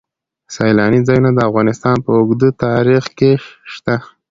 سیلاني ځایونه د افغانستان په اوږده تاریخ کې شته.